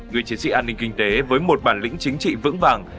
người chiến sĩ an ninh kinh tế với một bản lĩnh chính trị vững vàng